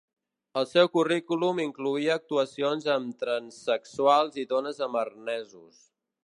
El seu currículum incloïa actuacions amb transsexuals i dones amb arnesos.